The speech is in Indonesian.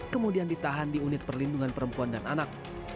kemudian ditahan di unit perlindungan perempuan dan anak